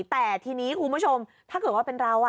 แต่ทีนี้คุณผู้ชมถ้าเกิดว่าเป็นเรา